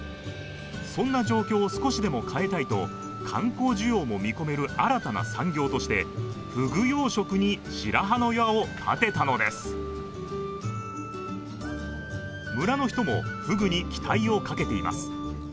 そんな状況を少しでも変えたいと観光需要も見込める新たな産業としてフグ養殖に白羽の矢を立てたのです村の人もフグに期待をかけています